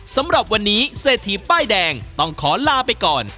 สำหรับวันนี้เศรษฐีป้ายแดงต้องขอลาไปก่อน